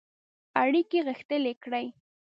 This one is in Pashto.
اړیکي غښتلي کړي.